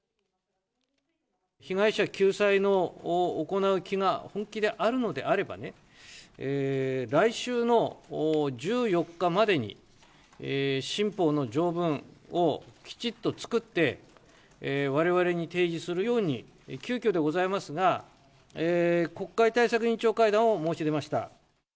被害者救済を行う気が本気であるのであればね、来週の１４日までに新法の条文をきちっと作って、われわれに提示するように、急きょでございますが、国会対策委員長会談を申し入れました。